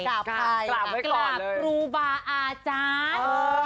กราบใครกราบกรูบาอาจารย์